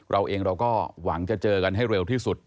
เราเองเราก็หวังจะเจอกันให้เร็วที่สุด